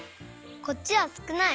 こっちはすくない！